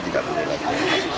tidak butuh lagi